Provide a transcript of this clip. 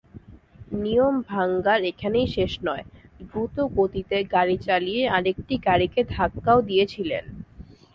নিয়মভাঙার এখানেই শেষ নয়, দ্রুত গতিতে গাড়ি চালিয়ে আরেকটি গাড়িকে ধাক্কাও দিয়েছিলেন।